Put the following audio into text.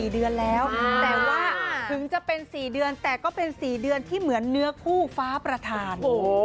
๔เดือนแล้วแต่ว่าถึงจะเป็น๔เดือนแต่ก็เป็น๔เดือนที่เหมือนเนื้อคู่ฟ้าประธาน